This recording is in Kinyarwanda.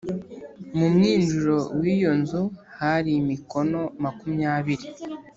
Mu mwinjiro w’iyo nzu hari mikono makumyabiri